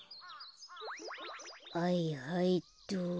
はいはいっと。